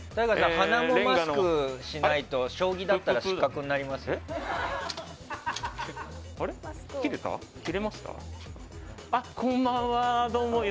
鼻もマスクしないと将棋だったら失格になりますよ。